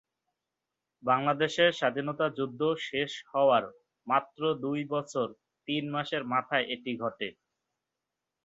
বাংলাদেশের স্বাধীনতা যুদ্ধ শেষ হওয়ার মাত্র দুই বছর তিন মাসের মাথায় এটি ঘটে।